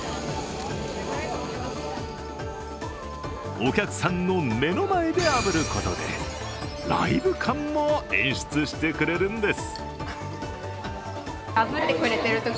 お客さんの目の前であぶることでライブ感も演出してくれるんです。